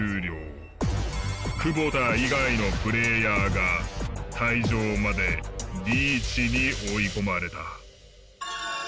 久保田以外のプレイヤーが退場までリーチに追い込まれた。